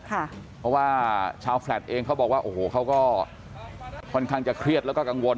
เพราะว่าชาวแฟลตเองเขาบอกว่าโอ้โหเขาก็ค่อนข้างจะเครียดแล้วก็กังวล